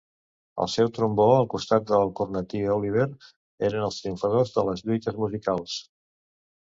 El seu trombó, al costat del cornetí Oliver, eren els triomfadors de les lluites musicals.